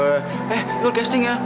eh ikut casting ya